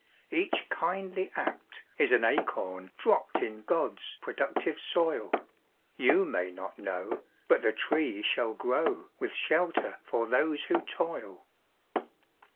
Each kindly act is an acorn dropped In God's productive soil. You may not know, but the tree shall grow, With shelter for those who toil.